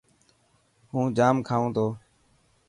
هون ڄام کائون تو.